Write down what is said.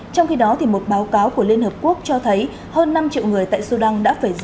trong khi đó một báo cáo của liên hợp quốc cho thấy hơn năm triệu người tại sudan đã phải rời